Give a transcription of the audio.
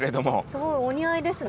すごいお似合いですね。